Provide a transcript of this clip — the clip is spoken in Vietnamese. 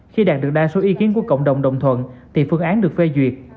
khi đạt được đa số ý kiến của cộng đồng đồng thuận thì phương án được phê duyệt